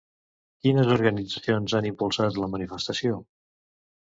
Quines organitzacions han impulsat la manifestació?